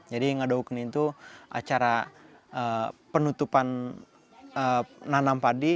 jadi ngadauken itu acara penutupan nanam padi